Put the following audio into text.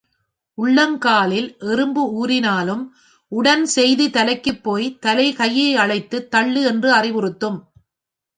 உள்ளங் காலில் எறும்பு ஊரினாலும் உடன் செய்தி தலைக்குப் போய் தலை கையை அழைத்து தள்ளு என்று அறிவுறுத்தும்.